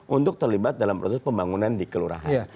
untuk terlibat dalam proses pembangunan di kelurahan